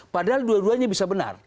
padahal dua duanya bisa benar